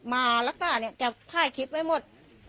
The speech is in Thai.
มารักษาเนี่ยจะถ่ายคลิปไว้หมด